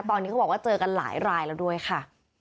ตอนนี้เขาบอกว่าเจอกันหลายรายแล้วด้วยค่ะ